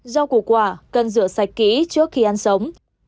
rau củ quả cần rửa sạch kỹ trước khi ăn sống